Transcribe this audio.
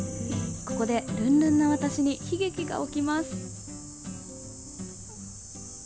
ここでルンルンな私に悲劇が起きます。